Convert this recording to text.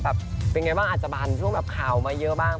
เป็นไงบ้างอาจจะบานช่วงแบบข่าวมาเยอะบ้าง